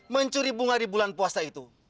mencuri bunga di bulan puasa itu